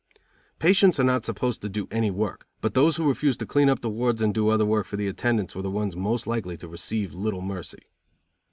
Patients are not supposed to do any work; but those who refused to clean up the wards and do other work for the attendants were the ones most likely to receive little mercy.